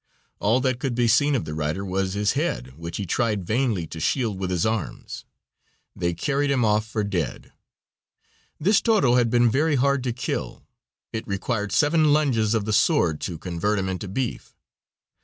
All that could be seen of the rider was his head, which he tried vainly to shield with his arms. They carried him off for dead. This toro was very hard to kill. It required seven lunges of the sword to convert him into beef.